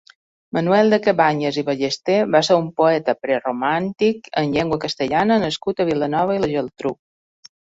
Manuel de Cabanyes i Ballester va ser un poeta preromàntic en llengua castellana nascut a Vilanova i la Geltrú.